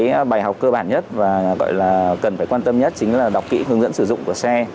cái bài học cơ bản nhất và gọi là cần phải quan tâm nhất chính là đọc kỹ hướng dẫn sử dụng của xe